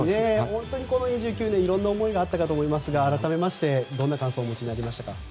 本当にこの２９年色んな思いがあったと思いますが改めましてどのような感想をお持ちですか？